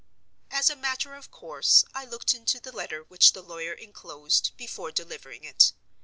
As a matter of course, I looked into the letter which the lawyer inclosed, before delivering it.